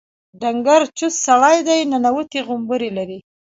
ډنګر چوست سړی دی ننوتي غومبري لري.